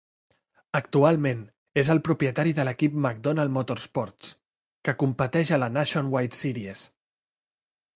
Actualment, és el propietari de l'equip MacDonald Motorsports, que competeix a la Nationwide Series.